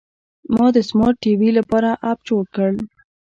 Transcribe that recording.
ما د سمارټ ټي وي لپاره اپ جوړ کړ.